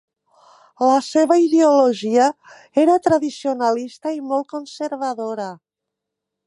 La seva ideologia era tradicionalista i molt conservadora.